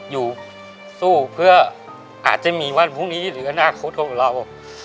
อยู่สู้เพื่ออาจจะมีวันพรุ่งนี้หรืออนาคตของเรา